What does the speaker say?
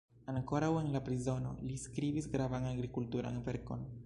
Ankoraŭ en la prizono li skribis gravan agrikulturan verkon.